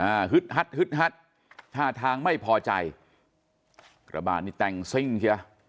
ฮึดฮัดฮึดฮัดท่าทางไม่พอใจกระบาดนี่แต่งซิ่งเชีย